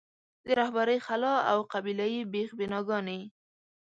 د رهبرۍ خلا او قبیله یي بېخ بناګانې.